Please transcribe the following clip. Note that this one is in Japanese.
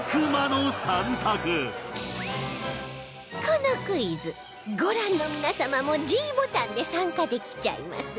このクイズご覧の皆様も ｄ ボタンで参加できちゃいます